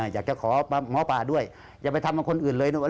อยากจะขอหมอปลาด้วยอย่าไปทำกับคนอื่นเลย